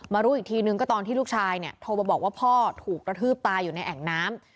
รู้อีกทีนึงก็ตอนที่ลูกชายเนี่ยโทรมาบอกว่าพ่อถูกกระทืบตายอยู่ในแอ่งน้ำ